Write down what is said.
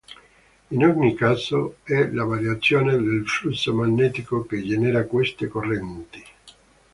In ogni caso è la variazione del flusso magnetico che genera queste correnti.